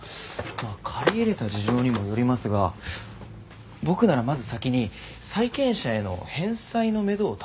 借り入れた事情にもよりますが僕ならまず先に債権者への返済のめどを立てます。